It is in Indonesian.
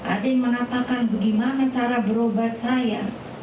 ada yang mengatakan bagaimana cara berobat saya